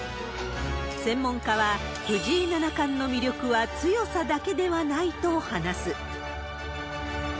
専門家は、藤井七冠の魅力は強さだけではないと話す。